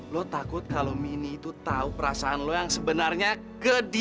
lo takut kalau mini itu tau perasaan lo yang sebenarnya ke dia